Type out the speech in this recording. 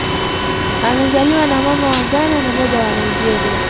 Amezaliwa na Mama wa Ghana na Baba wa Nigeria.